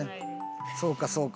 そうかそうか。